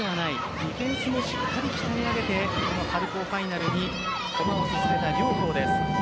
ディフェンスもしっかり鍛え上げて春高ファイナルに駒を進めた両校です。